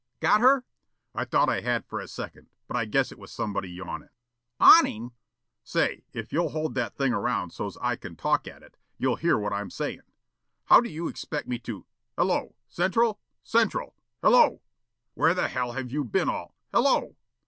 "Got her?" "I thought I had for a second, but I guess it was somebody yawning." "Awning?" "Say, if you'll hold that thing around so's I can talk at it, you'll hear what I'm saying. How do you expect me to hello! Central? Central! Hello! Where the hell have you been all hello!